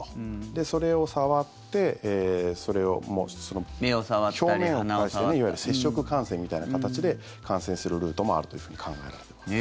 で、それを触って表面を介していわゆる接触感染みたいな形で感染するルートもあるというふうに考えられてます。